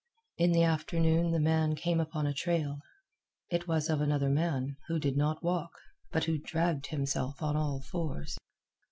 In the afternoon the man came upon a trail. It was of another man, who did not walk, but who dragged himself on all fours.